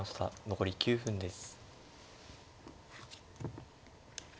残り９分です。